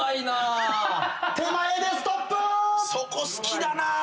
・そこ好きだな。